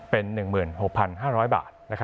เป็น๑๖๕๐๐บาท